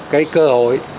cái cơ hội